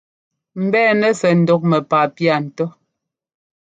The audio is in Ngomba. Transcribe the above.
Mbɛ́ɛnɛ sɛ ŋdǔk mɛ́paa pía ńtó.